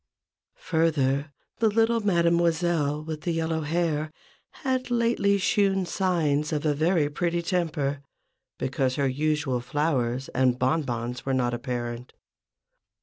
Further, the little Mademoiselle, with yellow hair, had lately shewn signs of a very pretty temper, because her usual flowers and bon bons were not apparent.